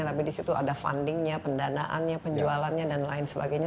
tapi di situ ada fundingnya pendanaannya penjualannya dan lain sebagainya